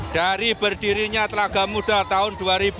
dari berdirinya telaga muda tahun dua ribu dua